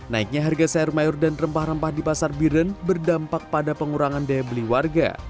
naiknya harga sayur mayur dan rempah rempah di pasar biren berdampak pada pengurangan daya beli warga